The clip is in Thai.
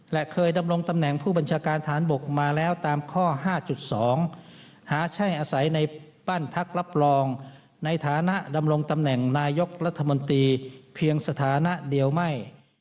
และเคยดำรงตำแหน่งผู้บัญชาการฐานบกมาแล้วตามข้อ๕๒หาใช่อาศัยในบ้านพักรับรองในฐานะดำรงตำแหน่งนายกรัฐมนตรีเพียงสถานะเดียวไม่